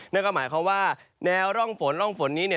นั่นก็หมายความว่าแนวร่องฝนร่องฝนนี้